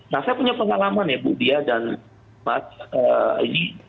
nah saya punya pengalaman ya bu bia dan mbak yi